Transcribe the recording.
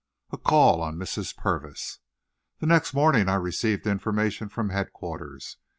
A CALL ON MRS. PURVIS The next morning I received information from headquarters.